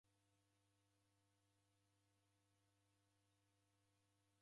W'abwaghwa ni kuja rushwa.